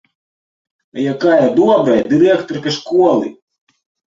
А якая добрая дырэктарка школы!